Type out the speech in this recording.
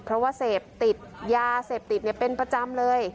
เพราะว่าเสพติดยาเสพติดเป็นประจำเลย